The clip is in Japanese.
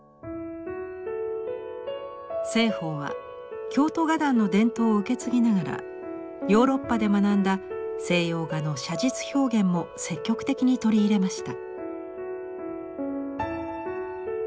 栖鳳は京都画壇の伝統を受け継ぎながらヨーロッパで学んだ西洋画の写実表現も積極的に取り入れました。